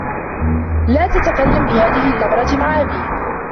لا تتكلّم بهذه النّبرة مع أبيك.